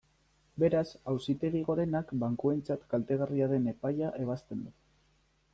Beraz, Auzitegi Gorenak bankuentzat kaltegarria den epaia ebazten du.